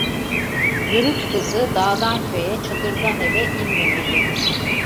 Yörük kızı dağdan köye, çadırdan eve inmemeli…